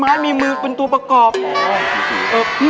ไม่มีอะไรของเราเล่าส่วนฟังครับพี่